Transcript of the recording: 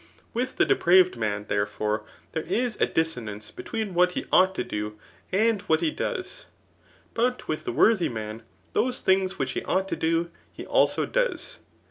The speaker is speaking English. With the depraved man, therefore, there is a dissonance between what he ought to do, and what he does ; but wUh the worthy man^ those tfdngs "which he ought to dOf he also does.